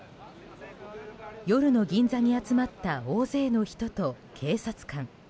夜の銀座に集まった大勢の人と警察官。